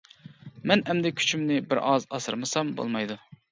مەن ئەمدى كۈچۈمنى بىر ئاز ئاسرىمىسام بولمايدۇ.